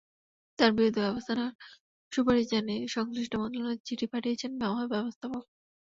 তঁার বিরুদ্ধে ব্যবস্থা নেওয়ার সুপারিশ জানিয়ে সংশ্লিষ্ট মন্ত্রণালয়ে চিঠিও পাঠিয়েছেন মহাব্যবস্থাপক।